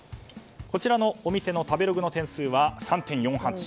こちらのお店の食べログの点数は３．４８。